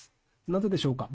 「『なぜでしょうか？』